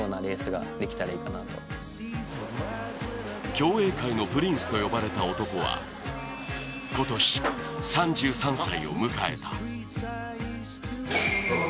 競泳界のプリンスと呼ばれた男は、今年３３歳を迎えた。